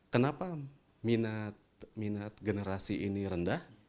kenapa minat minat generasi ini rendah